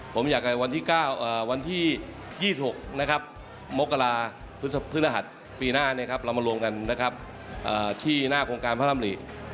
ผมอยากวันที่๒๖มกราศพฤษภัณฑ์ปีหน้าเรามารวมกันที่หน้าโครงการพระร่ำหลี